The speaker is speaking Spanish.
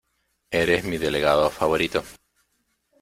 Eres mi delegado favorito.